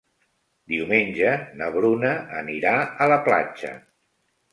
Diumenge na Bruna anirà a la platja.